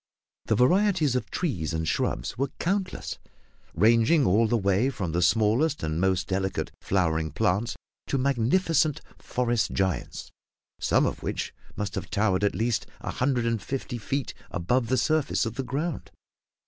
The varieties of trees and shrubs were countless, ranging all the way from the smallest and most delicate flowering plants to magnificent forest giants, some of which must have towered at least a hundred and fifty feet above the surface of the ground.